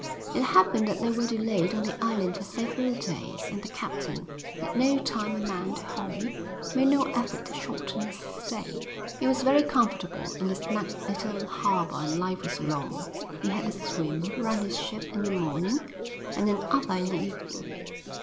It happened that they were delayed on the island for several days and the captain, at no time a man to hurry, made no effort to shorten his stay. He was very comfortable in the snug little harbour and life was long. He had a swim round his ship in the morning and another in the evening.